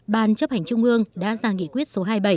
ban chấp hành trung ương đã ra nghị quyết số hai mươi bảy